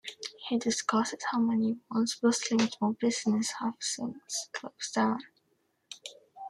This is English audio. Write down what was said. He discusses how many once-bustling small businesses have since closed down.